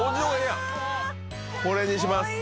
これにします。